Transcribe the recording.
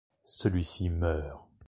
Celui-ci meurt.